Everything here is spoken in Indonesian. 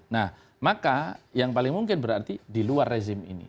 nah maka yang paling mungkin berarti di luar rezim ini